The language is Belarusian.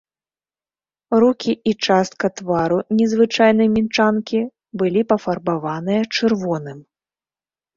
Рукі і частка твару незвычайнай мінчанкі былі пафарбаваныя чырвоным.